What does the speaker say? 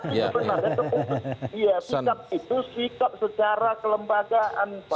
tapi sebenarnya itu sikap secara kelembagaan pak